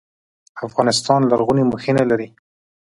افغانستان لرغوني مخینه لري